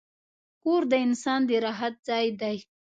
کور د انسان د راحت ځای دی.